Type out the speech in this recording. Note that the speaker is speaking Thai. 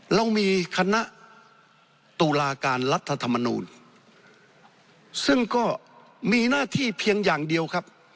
เรามีคณะตุลาการรัฐธรรมนูลซึ่งก็มีหน้าที่เพียงอย่างเดียวครับ